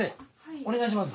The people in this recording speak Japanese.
お願いします。